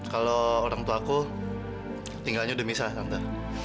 kalau orang tua aku tinggalnya udah bisa nanda